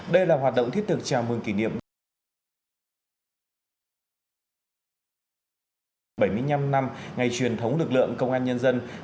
đây là hoạt động thiết thực chào mừng kỷ niệm bảy mươi năm năm ngày truyền thống lực lượng công an nhân dân